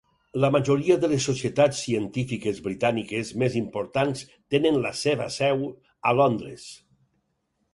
La majoria de les societats científiques britàniques més importants tenen la seva seu a Londres.